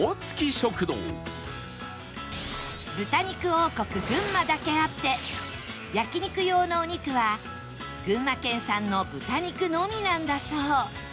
豚肉王国群馬だけあって焼肉用のお肉は群馬県産の豚肉のみなんだそう